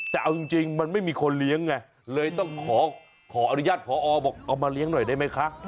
แต่เอาจริงมันไม่มีคนเลี้ยงไงเลยต้องขออนุญาตพอบอกเอามาเลี้ยงหน่อยได้ไหมคะ